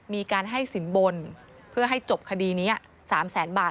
มีการให้สินบนเพื่อให้จบคดีนี้๓แสนบาท